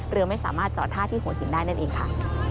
เรือไม่สามารถจอดท่าที่หัวหินได้นั่นเองค่ะ